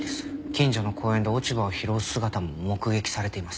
近所の公園で落ち葉を拾う姿も目撃されています。